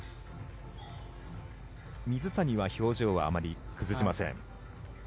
水谷は表情はあまり崩しません。